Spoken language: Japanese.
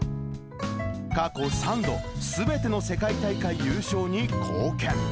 過去３度、すべての世界大会優勝に貢献。